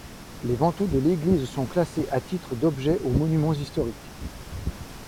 Les vantaux de l'église sont classés à titre d'objets aux Monuments historiques.